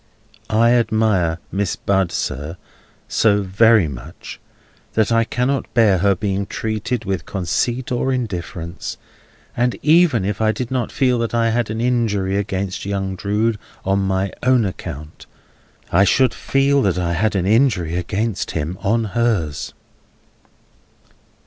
—I admire Miss Bud, sir, so very much, that I cannot bear her being treated with conceit or indifference; and even if I did not feel that I had an injury against young Drood on my own account, I should feel that I had an injury against him on hers."